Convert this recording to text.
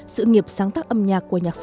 sự nghiệp sáng tác âm nhạc